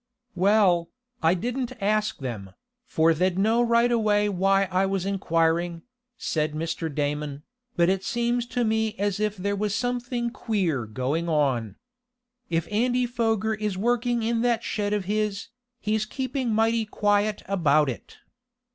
"Well, I didn't ask them, for they'd know right away why I was inquiring," said Mr. Damon, "but it seems to me as if there was something queer going on. If Andy Foger is working in that shed of his, he's keeping mighty quiet about it.